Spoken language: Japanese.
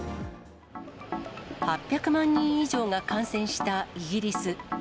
８００万人以上が感染したイギリス。